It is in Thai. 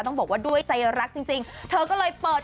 ต้องบอกว่าด้วยใจรักจริงเธอก็เลยเปิด